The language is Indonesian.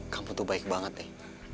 kamu tuh baik banget nih